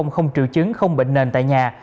không triệu chứng không bệnh nền tại nhà